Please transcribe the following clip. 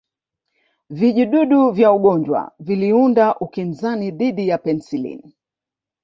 Vijidudu vya ugonjwa viliunda ukinzani dhidi ya penicillin